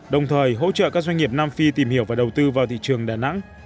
đồng thời hỗ trợ các doanh nghiệp nam phi tìm hiểu và đầu tư vào thị trường đà nẵng